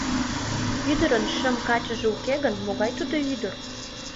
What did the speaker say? Ӱдырын шым качыже уке гын, могай тудо ӱдыр?